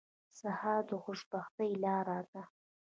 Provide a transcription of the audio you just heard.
سهار د خوشبینۍ لاره ده.